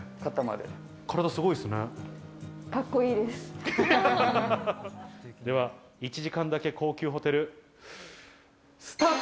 では１時間だけ高級ホテル、スタート！